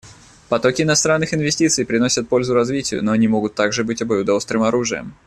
Потоки иностранных инвестиций приносят пользу развитию, но они могут также быть обоюдоострым оружием.